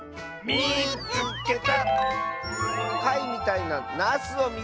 「みいつけた！」。